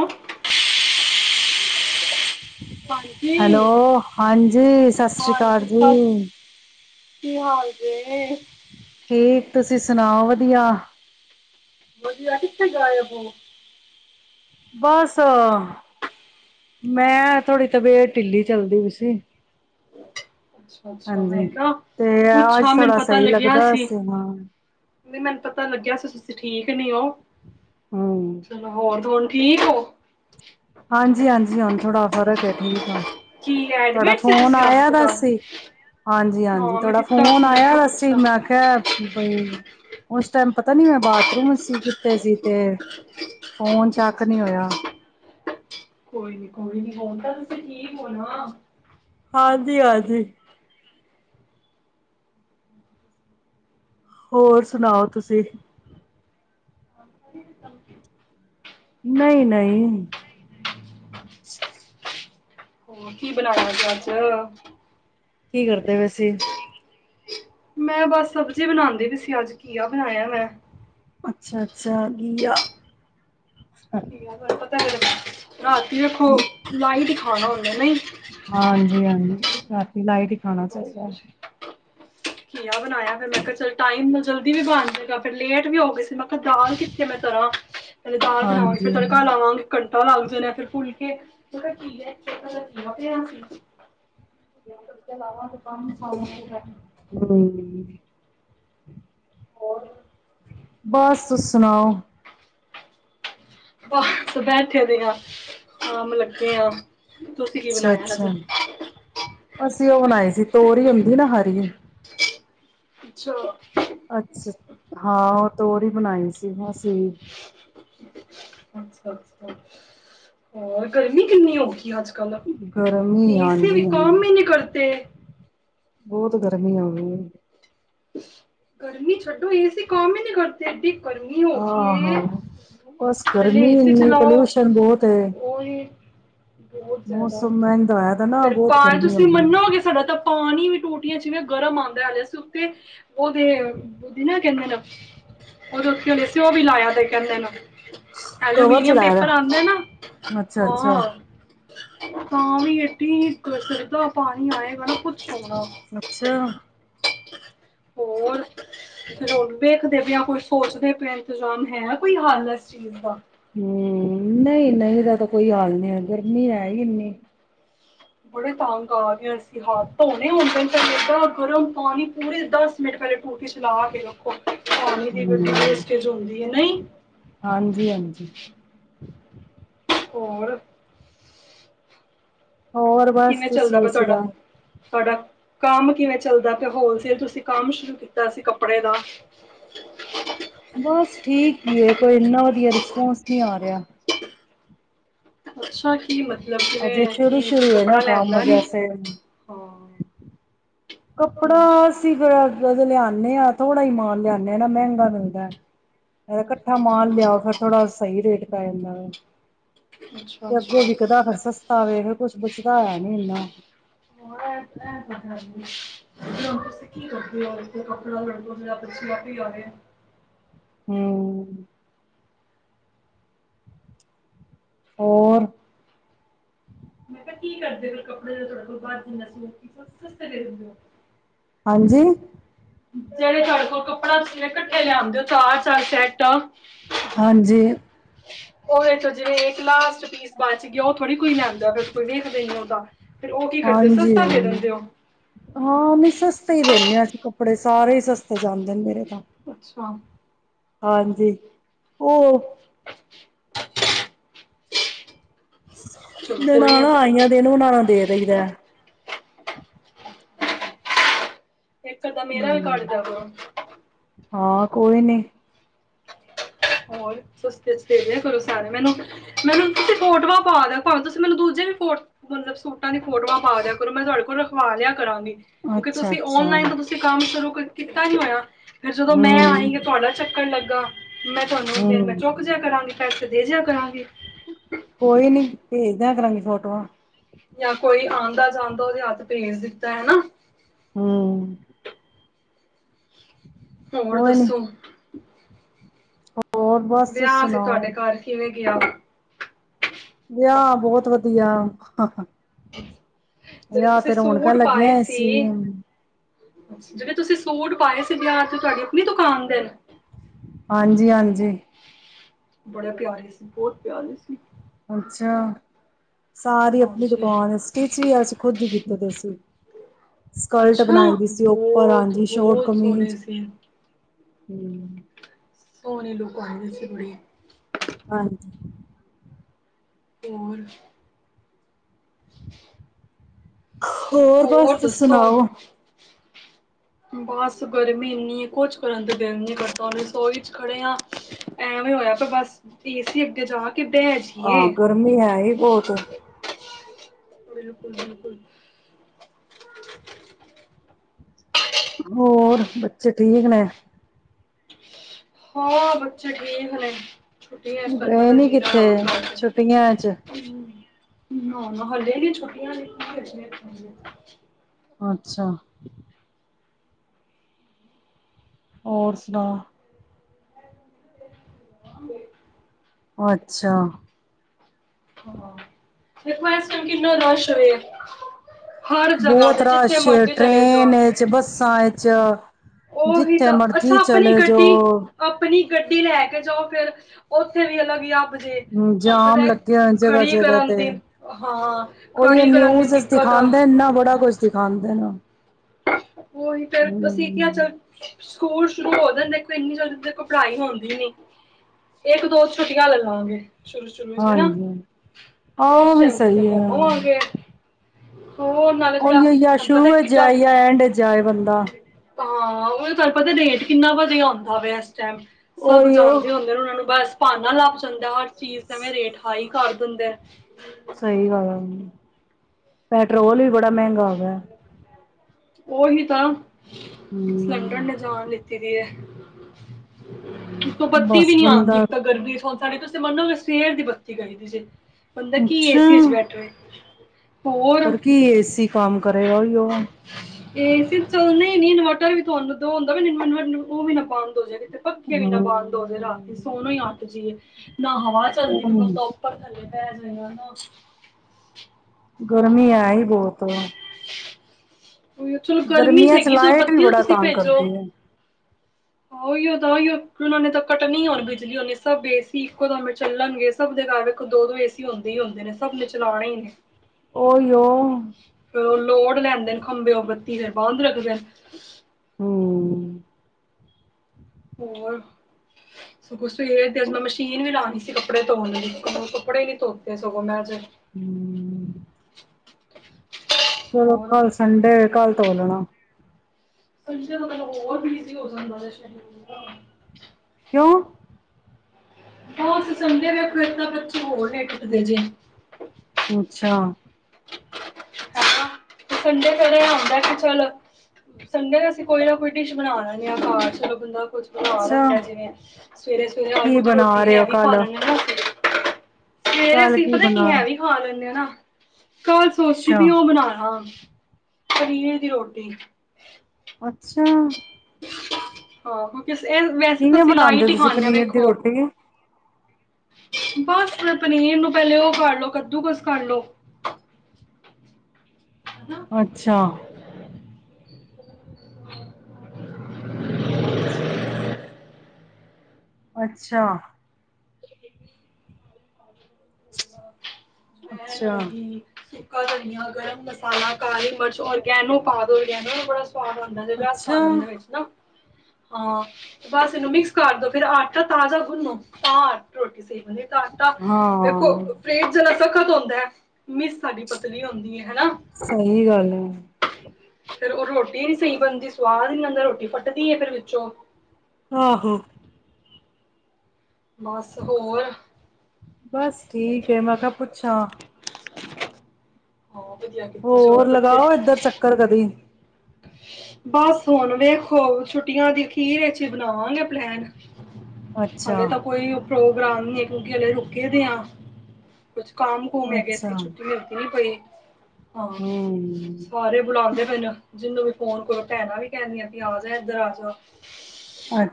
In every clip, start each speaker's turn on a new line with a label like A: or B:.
A: ਹ
B: ਹੈਲੋ ਹਾਂਜੀ ਸਤਿ ਸ੍ਰੀ ਅਕਾਲ ਜੀ
A: ਕੀ ਹਾਲ ਜੇ
B: ਠੀਕ ਤੁਸੀਂ ਸੁਣਾਓ ਵਧੀਆ
A: ਕਿੱਥੇ ਗਾਇਬ ਹੋ
B: ਬਸ ਮੈਂ ਥੋੜੀ ਤਬੀਅਤ ਢਿੱਲੀ ਚੱਲਦੀ ਪਈ ਈ ਸੀ
A: ਅੱਛਾ ਅੱਛਾ ਮੈਂ
B: ਹਾਂਜੀ
A: ਕਿਹਾ
B: ਤੇ ਅੱਜ
A: ਪੁੱਛਾ ਮੈਨੂੰ
B: ਥੋੜਾ
A: ਪਤਾ
B: ਸਹੀ
A: ਲੱਗਿਆ
B: ਲੱਗਦਾ
A: ਸੀ
B: ਹਾਂ
A: ਮੈਨੂੰ ਪਤਾ ਲੱਗਿਆ ਸੀ ਤੁਸੀਂ ਠੀਕ ਠੀਕ ਨੀ ਉਹ
B: ਹਮ
A: ਚਲੋ ਹੋਰ ਹੁਣ ਠੀਕ ਓ
B: ਹਾਂਜੀ, ਹਾਂਜੀ ਹੁਣ ਥੋੜਾ ਫ਼ਰਕ ਏ। ਠੀਕ ਆ।
A: ਕੀ
B: ਤੁਹਾਡਾ
A: ਐਡਮਿਟ ਸੀ
B: ਫੋਨ
A: ਤੁਸੀਂ
B: ਆਇਆ ਦਾ
A: ਹਸਪਤਾਲ
B: ਸੀ, ਹਾਂਜ, ਹਾਂਜੀ
A: ਹਾਂ ਮੈਂ
B: ਤੁਹਾਡਾ
A: ਕੀਤਾ
B: ਫੋਨ
A: ਸੀ ਮੈਂ
B: ਆਇਆ
A: ਕਿਹਾ
B: ਦਾ ਸੀ,
A: ਪੁੱਛਾਂ
B: ਮੈਂ ਖਿਆ ਬਈ ਉਸ ਟਾਈਮ ਪਤਾ ਨੀ ਮੈਂ ਬਾਥਰੂਮ ਸੀ ਕਿੱਥੇ ਸੀ ਤੇ ਫੋਣ ਚੱਕ ਨੀ ਹੋਇਆ।
A: ਕੋਈ ਨੀ ਕੋਈ ਨੀ ਹਣ ਤਾਂ ਤੁਸੀਂ ਠੀਕ ਹੋ ਨਾ।
B: ਹਾਂਜੀ- ਹਾਂਜੀ ਹੋਰ ਸੁਣਾਓ ਤੁਸੀਂ।
A: [inaudible]
B: ਨਹੀਂ-ਨਹੀਂ
A: ਹੋਰ ਕੀ ਬਣਾਯਾ ਜੇ ਅਜ ਸੀ ਆੱਜ?
B: ਕੀ ਕਰਦੇ ਵੇ ਸੀੇ?
A: ਮੈਂ ਬਸ ਸਬਜ਼ੀ ਬਣਾਉਂਦੀ ਪੀ ਸੀ ਅੱਜ ਘੀਆ ਬਣਾਇਆ ਹੋਯਾ।
B: ਅੱਛਾ-ਅੱਛਾ ਗੀਆ।
A: ਘੀਆ ਮੈਨ ਪਤਾ ਰਾਤੀ ਵੇਖੋ, ਲਾਈਟ ਖਾਣਾ ਹੁੰਦੈ ਨਹੀਂ।
B: ਹਾਂ ਹਾਂਜੀ- ਹਾਂਜੀ ਰਾਤੀ ਲਾਈਟ ਖਾਣਾ
A: ਬਸ
B: ਚਾਹੀਦੈ।
A: ਫਿਰ ਘੀਆ ਬਣਾਇਆ, ਫਿਰ ਮੈਂ ਕਿਹਾ ਚੱਲ ਟਾਈਮ ਜਲਦੀ ਵੀ ਬਣ ਜੇਗਾ। ਫਿਰ ਲੇਟ ਵੀ ਹੋ ਗਏ ਤੇ ਮੈਂ ਕਿਹਾ ਦਾਲ ਕਿੱਥੇ ਮੈਂ ਧਰਾਂ ਪਹਿਲੇ ਦਾਲ ਬਣਾਵਾਂਗੀ
B: ਹਾਂਜੀ
A: ਫਿਰ ਤੜਕਾ ਲਾਵਾਂਗੇ ਘੰਟਾ ਲੱਗ ਜਾਣਾ ਫੇਰ ਫੁਲਕੇ [inaudible] ਕੀਦਾ ਕੀ ਵਪਿਆ ਸੀ।
B: [inaudible] ਹੂੰ [inaudible] ਹੋਰ ਬਸ ਸੁਣਾਓ।
A: ਬੱਹ ਬੈਠੇ ਦੇ ਆ ਕਾਮ ਲੱਗੇ ਆ। ਤੁਸੀਂ ਕੀ
B: ਅੱਛਾ-
A: ਬਣਾਇਆ ਅੱਜ
B: ਅੱਛਾ ਅਸੀਂ ਔਹ ਬਣਾਏ ਸੀ ਤੋਰੀ ਹੁੰਦੀ ਏ ਨਾ ਹਰੀ।
A: ਅੱਛਾ।
B: ਅੱਛਾ ਛ ਹਾਂ, ਔਹ ਤੋਰੀ ਬਣਾਈ ਸੀ ਬਸ। [unintelligible]
A: ਅੱਛਾ-ਅੱਛਾ ਹੋਰ। ਗਰਮੀ ਕਿੰਨੀ ਹੋ ਗਈ ਅੱਜ- ਕੱਲ,
B: ਗਰਮੀ
A: ਏ ਸੀ
B: ਹਾਂਜੀ
A: ਵੀ
B: ਹਾਂਜੀ
A: ਕੰਮ ਹੀ ਨਹੀਂ ਕਰਦੇ।
B: ਬਹੁਤ ਗਰਮੀ ਹੋ ਗਈਂ ਏ।
A: ਗਰਮੀ ਛੱਡੋ ਏ ਸੀ ਕਮ ਹੀ ਨਹੀਂ ਕਰਤੇ ਏਡੀ
B: ਆਹ ਹਾਂ, ਬਸ ਗਰਮੀ ਇਨੀ ਪੋਲਊਸ਼ਨ ਬਹੁਤ ਏ
A: ਉਹ ਬਹੁਤ ਜ਼ਿਆਦਾ,
B: ਦਾ ਨਾ
A: ਫਿਰ
B: ਬਹੁਤ
A: ਘਾਰ
B: ਗਰਮੀ ਹੋ
A: ਤੁਸੀਂ
B: ਗਈ
A: ਮੰਨੋਗੇ ਸਾਡਾ ਤਾਂ ਘਾ ਪਾਣੀ ਵੀ ਟੋਟੀਆਂ ਚ ਨਾ ਗਰਮ ਆਂਦਾ। ਹਲੇ ਸੁ- ਤੇ ਔਹਦੇੁ ਨਾ ਕਹਿੰਦੇ ਨੇ ਔਹਦੇ ਰਖੇ ਹੋਏ ਸਿਓ ਵੀ ਲਾਇਆ ਤੇ ਬ ਟੈ ਨ
B: ਕਵਰ
A: ਐਲੂਮੀਨੀਅਮ
B: ਚੜਾਇਆ
A: ਪੇਪਰ
B: ਦਾ
A: ਆਉਂਦੇ ਨਾ,
B: ਅੱਛਾ ਅੱਛਾ
A: ਹਾਂ। ਤਾਂ ਵੀ ਏਡੀ ਕਸਰਦਾ ਪਾਣੀ ਆਏਗਾ ਨਾ ਕੁਛ ਹੋਣਾ
B: ਅੱਛਾ
A: ਹੋਰ ਫਿਰ ਉਹਨੂੰ ਵੇਖਦੇ ਪਏ ਆ ਕੋਈ ਸੋਚਦੇ ਪਏ ਇੰਤਜ਼ਾਮ ਹੈ ਕੋਈ ਹੱਲ ਇਸ ਚੀਜ਼ ਦਾ
B: ਹੂੰ ਨਹੀਂ ਨਹੀਂ ਦਾ ਤਾਂ ਕੋਈ ਹੱਲ ਨਹੀਂ ਗਰਮੀ ਹੈ ਹੀ ਇਨੀ
A: ਬੜੇ ਤੰਗ ਆ ਗਏ ਅਸੀਂ ਹੱਥ ਧੋਣੇ ਹੁੰਦੇ ਨੇ ਏਦਾਂ ਗਰਮ ਪਾਣੀ ਪੂਰੇ ਦਸ ਮਿੰਟ ਪਹਿਲੇ ਟੂਟੀ ਚਲਾ ਕੇ ਰੱਖੋ ਪਾਣੀ ਦੀ ਵੱਡੀ
B: ਹਮ
A: ਵੇਸਟੇਜ ਹੁੰਦੀ ਹੈ ਨਹੀਂ
B: ਹਾਂਜੀ ਹਾਂਜੀ
A: ਹੋਰ
B: ਹੋਰ ਬਸ
A: ਕਿਵੇਂ
B: ਤੁਸੀਂ
A: ਚੱਲਦਾ ਪਿਆ ਤੁਹਾਡਾ
B: ਉਸਦਾ
A: ਤੁਹਾਡਾ ਕੰਮ ਕਿਵੇਂ ਚੱਲਦਾ ਪਿਆ ਹੋਲਸੇਲ ਤੁਸੀਂ ਕੰਮ ਸ਼ੁਰੂ ਕੀਤਾ ਸੀ ਕੱਪੜੇ ਦਾ
B: ਸੋਸ ਨੀ ਆ ਰਿਹਾ
A: ਅੱਛਾ ਅੱਛਾ ਕੀ ਮਤਲਬ ਕਿ
B: ਅਜੇ
A: ਮੈਂ
B: ਸ਼ੁਰੂ
A: ਕਿ
B: ਸ਼ੁਰੂ ਹੈ ਨਾ
A: ਕੱਪੜਾ
B: ਕੰਮ
A: ਲੈਂਦਾ ਨੀ
B: ਜੈਸੇ
A: ਹਾਂ ਨਹੀਂ
B: ਕੱਪੜਾ ਅਸੀਂ ਲਿਆਂਨੇ ਆ ਹਾਂ ਥੋੜ੍ਹਾ ਹੀ ਮਾਲ ਲਿਆਦੇ ਆ ਨਾ ਮਹਿੰਗਾ ਦਾ ਇਕੱਠਾ ਮਾਲ ਲਿਆ ਫੇਰ ਥੋੜਾ ਸਹੀ ਰੇਟ ਪੈ ਜਾਂਦਾ ਵਾ
A: ਅੱਛਾ
B: ਤੇ
A: ਅੱਛਾ
B: ਅੱਗੋਂ
A: ਹੋ
B: ਵਿਕਦਾ ਫਿਰ ਸਸਤਾ ਵੇ ਫਿਰ ਕੁਛ ਬਚਦਾ ਹੈ ਨੀ ਇੰਨਾ
A: ਤੁਸੀਂ ਕੀ ਕਰ ਦਿਓ ਕੱਪੜ੍ਹੇ [inaudible] ਆ ਗਏ
B: ਹੂੰ ਹੋਰ
A: ਮੈਂ ਕਿਹਾ ਕੀ ਕਰਦੇ ਹੋ ਕੱਪੜਾ ਜਿਹੜਾ ਤੁਹਾਡੇ ਕੋਲ ਬੱਚ ਜਾਂਦਾ ਸਸਤੇ ਦੇ ਦਿੰਦੇ ਹੋ
B: ਹਾਂਜੀ
A: ਜਿਹੜੇ ਤੁਹਾਡੇ ਕੋਲ ਕੱਪੜਾ ਇਕੱਠਾ ਲਿਆਂਦੇ ਹੋ ਚਾਰ ਸੈੱਟ ਆ
B: ਹਾਂਜੀ
A: ਉਹਦੇ ਚ ਜਿਵੇਂ ਇੱਕ ਲਾਸਟ ਪੀਸ ਬੱਚ ਗਿਆ ਉਹ ਥੋੜ੍ਹੀ ਕੋਈ ਲੈਂਦਾ [inaudible] ਨਹੀਂ ਹੋ ਤਾਂ ਫਿਰ ਉਹ ਕੀ ਕਰਦੇ
B: ਹਾਂਜੀ
A: ਸਸਤਾ ਦੇ ਦਿੰਦੇ
B: ਹਾਂ ਨਹੀਂ ਸਸਤੇ ਹੀ ਦਿਨੇ ਆ ਅਸੀਂ ਕੱਪੜੇ ਸਾਰੇ ਹੀ ਸਸਤੇ ਜਾਂਦੇ ਨੇ ਮੇਰੇ ਤਾਂ
A: ਅੱਛਾ
B: ਹਾਂਜੀ ਉਹ
A: ਚਲੋ ਕੋਈ
B: ਨਨਾਣਾ ਆਈਆਂ ਤੇ ਉਹਨਾਂ ਨੂੰ ਦੇ ਦਈਦਾ।
A: ਨਹੀਂ ਇੱਕ ਅੱਧਾ ਮੇਰਾ ਵੀ ਕੱਢ
B: ਹੂੰ
A: ਦਿਆ ਕਰੋ
B: ਹਾਂ ਕੋਈ ਨੀ
A: ਹੋਰ ਸਸਤੇ ਚ ਦੇ ਦਿਆ ਕਰੋ ਸਾਰੇ ਮੈਨੂੰ ਮੈਨੂੰ ਤੁਸੀਂ ਫੋਟੋਆਂ ਪਾ ਦਿਓ ਭਾਵੇਂ ਤੁਸੀਂ ਮੈਨੂੰ ਦੂਜੇ ਵੀ ਮਤਲਬ ਸੂਟਾਂ ਦੀ ਫੋਟੋਆਂ ਪਾ ਦਿਆ ਕਰੋ ਮੈਂ ਤੁਹਾਡੇ ਕੋਲ ਰੱਖਵਾਂ ਲਿਆ ਕਰਾਂਗੀ ਕਿਉਂਕਿ
B: ਅੱਛਾ
A: ਤੁਸੀਂ
B: ਅੱਛਾ
A: ਔਨਲਾਈਨ ਤੋਂ ਤੁਸੀਂ ਕੰਮ ਸ਼ੁਰੂ ਕੀਤਾ ਨੀ ਹੋਇਆ ਫਿਰ ਜਦੋਂ ਮੈਂ ਆਈਂ ਆ
B: ਹੂੰ
A: ਤੁਹਾਡਾ ਚੱਕ ਪੱਕਣ ਲੱਗਾ ਮੈਂ ਤੁਹਾਨੂੰ ਮੈਂ
B: ਹੂੰ
A: ਚੁਕ ਜਿਹਾ ਕਰਾਂਗੀ ਪੈਸੇ ਦੇ ਜਾਣ ਕਰਾਂਗੇ
B: ਕੋਈ ਨਹੀਂ ਭੇਜਦਾ ਕਰਾਂਗੇ ਫੋਟੋਆਂ
A: ਜਾਂ ਕੋਈ ਆਉਂਦਾ ਜਾਂਦਾ ਉਹਦੇ ਹੱਥ ਭੇਜ ਦਿੱਤਾ ਹਨਾ
B: ਹਮ
A: ਹੋਰ
B: ਕੋਈ ਨੀ
A: ਦੱਸੋ
B: ਹੋਰ ਬਸ
A: ਵਿਆਹ ਸੀ ਤੁਹਾਡੇ
B: ਸੁਣਾਓ
A: ਘਰ [unintelligible]
B: ਵਿਆਹ ਬਹੁਤ ਵਧੀਆ
A: ਜਿਹੜੇ
B: ਵਿਆਹ
A: ਤੁਸੀਂ
B: ਤੇ ਰੋਣਕ ਲੱਗੀਆਂ ਏ
A: ਜਿੜਂ ਤੁਸੀਂ ਸੂਟ ਪਾਏ ਸੀ ਬਹਾਰ ਚ ਤੁਹਾਡੀ ਆਪਣੀ ਦੁਕਾਨ ਦੇ
B: ਹਾਂਜੀ ਹਾਂਜੀ
A: ਬੜੇ ਪਿਆਰੇ ਸੀ ਬਹੁਤ ਪਿਆਰੇ ਸੀ
B: ਅੱਛਾ ਸਾਰੀ ਆਪਣੀ
A: ਹਾਂਜੀ,
B: ਦੁਕਾਨ ਸਟਿਚ ਵੀ ਹੈ ਅਸੀਂ ਖੁੱਦ ਹੀਤੇ ਦੇ ਸੀ ਸਕਰਟ
A: ਅੱਛਾ
B: ਬਣਾਈ ਗ ਸੀ ਉੱਪਰ ਆਜੀ ਸ਼ੋਟ
A: ਬਹੁਤ-ਬਹੁਤ ਸੋਹਣੇ
B: ਕਮੀਜ਼
A: ਸੀ।
B: ਹਮ
A: ਉਹ ਨਹੀਂ ਲੋਕ ਆਏਦੇ ਸੀ ਬੜੀ
B: ਹਾਂਜੀ
A: ਹੋਰ
B: ਹੋਰ ਬਸ ਤੁਸੀ ਸੁਣਾਓ
A: ਬਸ ਗਰਮੀ ਇੰਨੀ ਕੁਝ ਕਰਨ ਦੇ ਦਿਨ ਨੀ ਕਰਦਾ ਉਹਨੇ ਰਸੋਈ ਚ ਖੜੇ ਆ ਐਵੇਂ ਹੋਇਆ ਪਰ ਬਸ ਏਸੀ ਅੱਗੇ ਜਾ ਕੇ ਬਹਿ ਜੀਏ।
B: ਹਾਂ ਗਰਮੀ ਹੈ ਹੀ ਬਹੁਤ
A: ਬਿਲਕੁਲ ਬਿਲਕੁਲ
B: ਹੋਰ ਬੱਚੇ ਠੀਕ ਨੇ
A: ਹਾਂ ਬੱਚਾ ਠੀਕ ਨੇ ਛੁੱਟੀ ਤੁਹਾਨੂੰ
B: ਗਏ
A: ਪਤਾ
B: ਨੀ
A: ਜੀ ਨਾ
B: ਕਿੱਥੇ
A: ਆਉਣ
B: ਛੁੱਟੀਆਂ ਚ
A: ਹ ਮੁਹੱਲੇ ਦੀ ਛੋਟੀਆਂ ਨੇ।
B: ਅੱਛਾ! ਹੋਰ ਸੁਣਾਓ? ਅੱਛਾ!
A: ਦੇਖੋ ਇਸ ਟਾਈਮ ਕਿੰਨਾ ਰਸ਼ ਹੋਹੇ ਹਰ ਜਗ੍ਹਾ
B: ਬਹੁਤ
A: ਤੇ ਜਿੱਥੇ
B: ਰਸ਼ ਏ
A: ਮਰਜ਼ੀ ਚਲੇ
B: ਟ੍ਰੇਨ
A: ਜਾਓ
B: ਚ ਬੱਸਾਂ ਵਿਚ
A: ਉਹੀ
B: ਜਿੱਥੇ
A: ਤਾਂ ਅੱਛਾ
B: ਮਰਜ਼ੀ
A: ਆਪਣੀ
B: ਚਲੇ
A: ਗੱਡੀ
B: ਜਾਓ
A: ਆਪਣੀ ਗੱਡੀ ਲੈ ਕੇ ਜਾਓ ਫਿਰ ਉੱਥੇ ਵੀ ਅਲੱਗ ਆ।
B: ਹੂੰ ਜਾਮ ਲੱਗੇਿਆ ਜਗ੍ਹਾ- ਜਗ੍ਹਾ
A: ਕਰਨ
B: ਤੇ।
A: ਦੀ ਹਾਂ
B: ਉਹੀ
A: ਖੜੀ ਕਰਨ ਦੀ
B: ਨਿਊਜ
A: ਦਿੱਕਤ ਆ
B: ਦਿਿਖਾਂਦੇ ਇਨਾ ਬੜਾ ਕੁਝ ਦਿਿਖਾਂਦੇ ਨੇ ਓਹ।
A: ਉਹੀ ਤੇ ਅਸੀਂ ਕਿਹਾ ਚੱਲ ਸਕੂਲ ਸ਼ੁਰੂ ਹੋ ਜਾਣ ਦੇਖੋ ਇੰਨੀ ਜਲਦੀ ਦੇਖੋ ਪੜ੍ਹਾਈ ਹੁੰਦੀ ਨੀ ਇੱਕ, ਦੋ ਛੁੱਟੀਆਂ ਲ ਗਾਂਗੇ। ਸ਼ੁਰੂ-ਸ਼ੁਰੂ ਚ ਹੈਨਾ
B: ਹਾਂਜੀ ਹਾਂ ਉਹ
A: ਉਸ
B: ਵੀ
A: ਟਾਈਮ ਕਿਤੇ
B: ਸਹੀ ਹੈ
A: ਘੁੰਮੋ [unintelligible] ਆਗੇ। ਉਹ ਨਾਲੇ ਥੋੜਾ ਤੁਹਾਨੂੰ ਪਤਾ ਕਿੱਡਾ-
B: ਪੈਣਡ ਜਾਏ ਬੰਦਾ।
A: ਹਾਂ ਉਹ ਤੁਹਾਨੂੰ ਪਤਾ ਰੇਟ ਕਿੰਨਾ ਵਧੀਆ ਹੁੰਦਾ ਵੇ। ਮ [unintelligible] ਸਭ
B: ਉਹੀਓ
A: ਜਾਣਦੇ ਹੁੰਦੇ ਨੇ ਉਹਨਾਂ ਨੂੰ ਬਸ। ਭਾਨਾ ਲੱਭ ਜਾਂਦਾ ਅਜ। ਚੀਜ਼ ਸਮੇਂ ਰੇਟ ਹਾਈ। ਕਰ ਦਿੰਦੇ
B: ਸਹੀ ਗੱਲ ਹੈ, ਪੈਟਰੋਲ ਵੀ ਬੜਾ ਮਹਿੰਗਾ ਹੋ ਗਿਆ।
A: ਉਹੀ ਤਾਂ। ਸਿਲੰਡਰ
B: ਹੂੰ
A: ਨੇ ਜਾਣ ਲਿੱਤੀ ਪੀ ਏ [unintelligible] ਚ ਬੱਤੀ ਵੀ
B: ਬਸ
A: ਨੀ ਆਉਂਦੀ
B: ਬੰਦਾ
A: ਇੱਕ ਤਾਂ ਗਰਮੀ ਸੋ- ਸਾਡੀੇ ਤੁਸੀਂ ਮੰਨੋਗੇ ਸਵੇਰ ਦੀ ਬੱਤੀ ਗਈ ਵੇ ਜੇ। ਬੰਦੇ ਕੀ
B: ਅੱਛਾ
A: ਏਸੀ ਚ ਬੈਠਾ ਰਹੇ।
B: ਪਰ ਕੀ ਏਸੀ ਕੰਮ ਕਰੇ ਉਹੀੳ।
A: ਇਹ ਸਿਰਫ ਚੱਲਣੇ ਹੀ ਨੀ ਇਨਵਰਟਰ ਵੀ ਤੁਹਾਨੂੰ ਦ [unintelligible] ਹੁੰਦਾ ਵੀ ਇਨਵਟਰ ਉਹ ਵੀ ਨਾ ਬੰਦ ਹੋ ਜਾਵੇ। ਤੇ ਪੱਖੇ ਵੀ ਨਾ ਬੰਦ ਹੋ ਜੇ ਰਾਤੀ
B: ਹਮ
A: ਸੋਨ ਹੀ ਅੱਠ ਜਾਈਏ। ਨਾ ਹਵਾ ਚੱਲਦੀ ਵੀ ਬੰਦਾ ਉੱਪਰ ਥੱਲੇ। ਪੈਜ ਵਨਾ
B: ਗਰਮੀ ਹੈ, ਹੀ ਬਹੁਤ [unintelligible] ਤ
A: ਉਹੀ ਚਲੋ ਗਰਮੀ ਚ ਹੈਗੀ ਚਲੋ
B: ਲਾਈਟ ਵੀ
A: ਬੱਤੀ ਤੇ
B: ਬੜਾ
A: ਤੁਸੀਂ
B: ਤੰਗ
A: ਭੇਜੋ
B: ਕਰਦੀ ਹੈ
A: ਆਹ ਉਹੀ ਤਾਂ ਉਹਿ ਉਹਨਾਂ ਨੇ ਤਾਂ ਕੱਟਣੀ ਹੁਣ ਬਿਜਲੀ, ਉਹੇ ਸਭ ਏ ਸੀ ਇੱਕੋ ਦਮ ਚੱਲਣਗੇ, ਸਭ ਦੇ ਘਰ ਇੱਕ ਦੋ ਦੋ ਏ ਸੀ ਹੁੰਦੇ ਹੀ ਹੁੰਦੇ ਨੇ, ਸਭ ਨੇ ਚਲਾਉਣੇ ਹੀ ਨੇ।
B: ਉਹਿਉ
A: ਤੋੜ ਲੈਂਦੇ ਨੇ। ਖੰਬੇਉ ਬੱਤੀ ਤੇ ਬੰਦ ਰੱਖਦੇ ਨੇ।
B: ਹੂੰ।
A: ਹੋਰ ਕੁਛ ਸਵੇਰੇ ਤੇ ਅੱਜ ਮੈਂ ਮਸ਼ੀਨ ਵੀ ਲਾਣੀ- ਕੱਪੜੇ ਧੋਣ ਲਈ, ਕੱਪੜੇ ਨੀ ਧੋਤੇ ਸਗੋਂ ਮੈਂ ਅੱਜ।
B: ਹੂੰ।
A: [unintelligible]
B: ਚਲੋ
A: ਹੋਰ
B: ਕੱਲ ਸੰਡੇ ਐ ਕੱਲ ਧੋ ਲੈਣਾ।
A: ਸੰਡੇ ਨੂੰ ਮੈਨੂੰ ਹੋਰ ਬਿਜੀ ਹੋ ਜਾਂਦਾ ਏ ਸ਼ਡਿਊਲ।
B: ਕਿਉਂ
A: ਬਹੁਤ ਸੰਡੇ [inaudible] ਹੋਰ ਲੇਟ ਉੱਠ ਜੇ
B: ਅੱਛਾ।
A: ਹੈਨਾ ਤੇ ਸੰਡੇ ਫਿਰ ਇਹ ਹੁੰਦਾ ਕਿ ਚੱਲ ਸੰਡੇ ਦਾ ਅਸੀਂ ਕੋਈ ਨਾ ਕੋਈ ਡਿਸ਼ ਬਣਾ ਲੈਣੇ ਆ, ਘਰ ਚਲੋ ਬੰਦਾ ਕੁਛ ਬਣਾ
B: ਅੱਛਾ
A: ਲੈਂਦੇ, ਜਿਵੇਂ ਸਵੇਰੇ ਸਵੇਰੇ
B: ਕੀ
A: ਆਲੂ ਦੀ
B: ਬਣਾ
A: ਰੋਟੀ
B: ਰਹੇ ਹੋ
A: ਹੈਵੀ, ਖਾ
B: ਕੱਲ
A: ਲੈਣੇ ਨਾ ਸਵੇਰੇ। ਸਵੇਰੇ
B: ਕੱਲ
A: ਅਸੀਂ ਪਤਾ ਕੀ
B: ਬਣਾ
A: ਹੈਵੀ ਖਾ ਲੈਣੇ ਆ ਨਾ। ਕੱਲ
B: ਅੱਛਾ
A: ਦੀਦੀ ਉਹ ਬਣਾਣਾ। ਪਨੀਰ ਦੀ ਰੋਟੀ।
B: ਅੱਛਾ।
A: ਹਾਂ। ਇਹ ਵੈਸੇ ਤਾਂ
B: ਕਿਵੇਂ
A: ਅਸੀਂ
B: ਬਣਾਉਂਦੇ
A: ਲਾਈਟ ਹੀ
B: ਤੁਸੀਂ
A: ਖਾਣੇ ਆ,
B: ਪਨੀਰ ਦੀ
A: ਦੇਖੋ
B: ਰੋਟੀ
A: ਬਸ ਪਨੀਰ ਨੂੰ ਪਹਿਲੇ ਉਹ ਕਰ ਲੋ ਕੱਦੂਕਸ ਕਰ ਲੋ।
B: ਅੱਛਾ। ਅੱਛਾ। ਅੱਛਾ।
A: [unintelligible]
B: ਅੱਛਾ
A: ਸੁੱਕਾ ਧਨੀਆ, ਗਰਮ ਮਸਾਲਾ, ਕਾਲੀ ਮਿਰਚ, ਔਰਗੈਨੋ ਪਾਂ ਦੇਵੋ, ਔਰਗੈਨੋ ਬੜਾ ਸਵਾਦ ਆਂਦਾ,
B: ਅੱਛਾ
A: ਜਿਹੜਾ [inaudible] ਦੇ ਵਿੱਚ ਨਾ ਹਾਂ, ਬਸ ਇਹਨੂੰ ਮਿਕਸ ਕਰ ਦੋ, ਫੇਰ ਆਟਾ ਤਾਜ਼ਾ ਗੁੰਨੋ, ਤਾਂ ਰੋਟੀ ਆਟਾ
B: ਹਾਂ
A: ਦੇਖੋ ਜ਼ਰਾ ਸਖਤ ਹੁੰਦਾ ਮਿਸ ਸਾਡੀ ਪਤਲੀ ਹੁੰਦੀ ਹੈ, ਹਨਾ।
B: ਸਹੀ ਗੱਲ ਹੈ
A: ਫੇਰ ਰੋਟੀ ਨੀ ਸਹੀ ਬਣਦੀ, ਸਵਾਦ ਨੀ ਆਂਦਾ, ਰੋਟੀ ਫੱਟਦੀ ਹੈ, ਫੇਰ ਵਿੱਚੋਂ
B: ਆਹੋ।
A: ਬਸ ਹੋਰ
B: ਬਸ ਠੀਕ ਮੈਂ ਕਿਹਾਂ ਪੁੱਛਾਂ।
A: ਹਾਂ ਵਧੀਆ ਕੀਤਾ ਜੀ
B: ਹੋਰ
A: ਬੱਚੇ
B: ਲਗਾਓ
A: ਠੀਕ-
B: ਏਧਰ ਚੱਕਰ ਕਦੀਂ।
A: ਬਸ ਹੁਣ ਵੇਖੋ ਛੁੱਟੀਆਂ ਦੀ ਅਖੀਰ ਵਿੱਚ ਹੀ ਬਣਾਵਾਂਗੇ ਪਲੈਨ।
B: ਅੱਛਾ।
A: ਕੋਈ ਪ੍ਰੋਗਰਾਮ ਨੀਂ ਹੈਂ। ਕਿਉਂਕਿ ਹਲੇ ਰੁਕੇ ਦੇ ਆ ਕੁਛ ਕੰਮ ਕੂਮ ਹੈਗੇ
B: ਅੱਛਾ
A: ਸੀ। ਛੁੱਟੀ ਮਿਲ਼ਦੀ ਨੀਂ ਪਈ। ਹਾਂ,
B: ਹਮ
A: ਸਾਰੇ ਬੁਲਾਉਂਦੇ ਫਿਰ ਜਿਹਨੂੰ ਵੀ ਫ਼ੋਨ ਕਰੋਂ ਭੈਣਾਂ ਵੀ ਕਹਿੰਦੀਆਂ ਵੀ ਆ ਜਾਂ ਇੱਧਰ ਆ ਜਾਂ।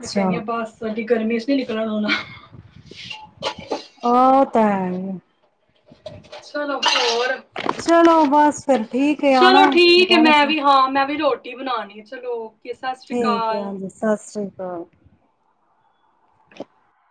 A: ਮੈਂ ਕਹਿਣੀ ਆ ਬਸ ਅਡੀ ਗਰਮੀ ਚ ਨੀਂ ਨਿਕਲਣ ਹੋਣਾਂ। [inaudible]
B: ਉਹ ਤਾਂ ਹੈ।
A: ਚਲੋਂ ਹੋਰ।
B: ਚਲੋ ਬਸ ਫ਼ਿਰ ਵੀ ਠੀਕ
A: ਚਲੋ
B: ਆਉਣਾਂ
A: ਠੀਕ ਹੈ
B: ਦੁਬਾਰਾ
A: ਮੈਂ
B: ਚ।
A: ਵੀ ਹਾਂ ਮੈਂ ਵੀ ਰੋਟੀ ਬਣਾਉਂਣੀ ਆ ਚਲੋਂ।
B: ਠੀਕ ਆ ਜੀ। ਸਤਿ ਸ਼੍ਰੀ ਅਕਾਲ। ਤਾਂ
A: [inaudible]